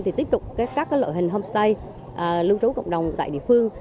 thì tiếp tục các loại hình homestay lưu trú cộng đồng tại địa phương